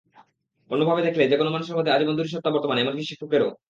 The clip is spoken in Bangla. অন্যভাবে দেখলে যেকোনো মানুষের মধ্যে আজীবন দুটি সত্তা বর্তমান, এমনকি শিক্ষকেরও।